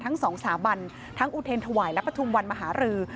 ทั้งสองสาบันทั้งอุเทรนถวายและปฐุมวันมหารือ